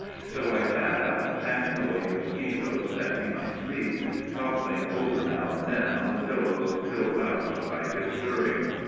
So I sat up fanning away mosquitos that he might sleep, toppling over now and then on the pillows till roused by his stirring.